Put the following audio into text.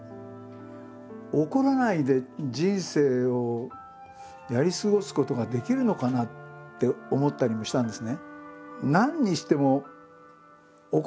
怒らないで人生をやり過ごすことができるのかなって思ったりもしたんですね。